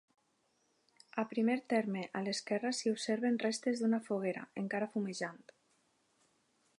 A primer terme a l'esquerra s'hi observen restes d'una foguera, encara fumejant.